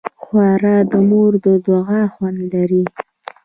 ښوروا د مور د دعا خوند لري.